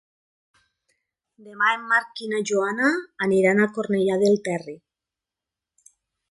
Demà en Marc i na Joana aniran a Cornellà del Terri.